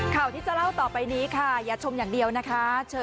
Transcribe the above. ข่าวที่จะเล่าต่อไปนี้ค่ะอย่าชมอย่างเดียวนะคะ